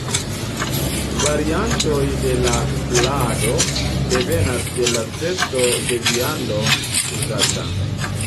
Variantoj de la plado devenas de la speco de viando uzata.